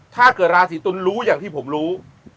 ถ้าเกิดราศีตุลรู้อย่างที่ผมรู้